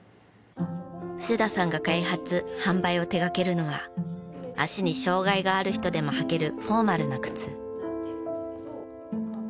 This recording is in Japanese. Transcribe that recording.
布施田さんが開発販売を手掛けるのは足に障害がある人でも履けるフォーマルな靴。